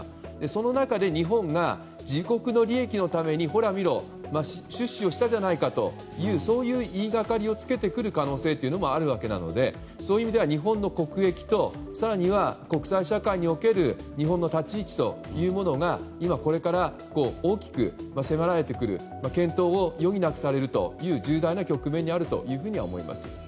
その中で日本が自国の利益のためにほら見ろ出資をしたじゃないかとそういう言いがかりをつけてくる可能性もあるわけなのでそういう意味では日本の国益と更には国際社会における日本の立ち位置というものが今、これから大きく迫られてくる検討を余儀なくされるという重大な局面にあるというふうに思います。